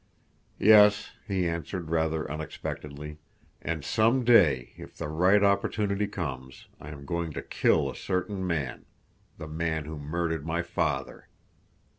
"Yes," he answered rather unexpectedly. "And some day, if the right opportunity comes, I am going to kill a certain man—the man who murdered my father."